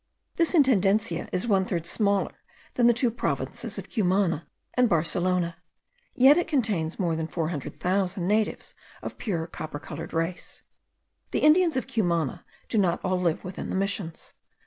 This Intendencia is one third smaller than the two provinces of Cumana and Barcelona; yet it contains more than four hundred thousand natives of pure copper coloured race. The Indians of Cumana do not all live within the Missions.